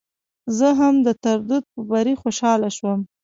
زه هم د ترودو په بري خوشاله شوم.